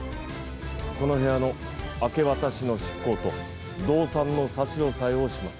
この部屋の明け渡しの執行と動産の差し押さえをします。